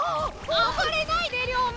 あばれないで龍馬！